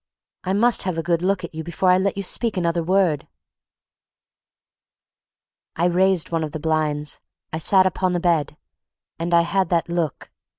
I must have a good look at you before I let you speak another word!" I raised one of the blinds, I sat upon the bed, and I had that look.